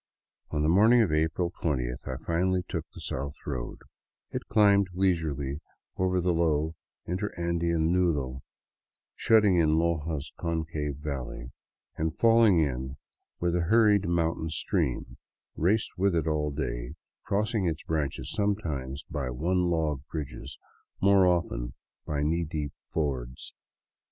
On the morning of April twentieth I finally took the south road It climbed leisurely over the low interandean nudo shutting in Loja's concave valley and, falling in with a hurried mountain stream, raced with it all day, crossing its branches sometimes by one log bridges, more often by knee deep fords.